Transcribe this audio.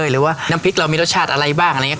หรือว่าน้ำพริกมีรสชาติอะไรแบบนี้